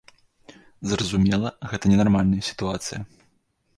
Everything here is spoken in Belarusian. Зразумела, гэта не нармальная сітуацыя.